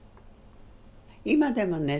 今でもね